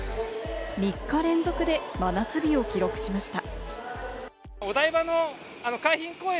３日連続で真夏日を記録しました。